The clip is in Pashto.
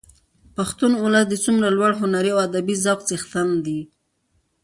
پښتون ولس د څومره لوړ هنري او ادبي ذوق څښتن دي.